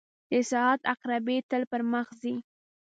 • د ساعت عقربې تل پر مخ ځي.